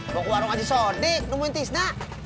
mau ke warung aji sodik nemuin tisna